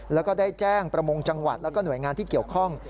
แล้วก็ได้แจ้งประมงจังหวัดแล้วก็หน่วยงานที่เกี่ยวข้อง